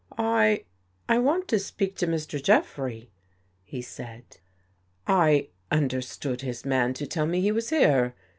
"I — I want to speak to Mr. Jeffrey," he said. " I — understood his man to tell me he was here.